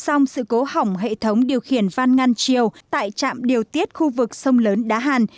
xong sự cố hỏng hệ thống điều khiển van ngăn chiều tại trạm điều tiết khu vực sông lớn đá hàn